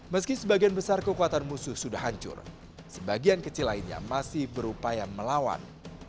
meski sebagian besar kekuatan musuh sudah hancur sebagian kecil lainnya masih berupaya melawan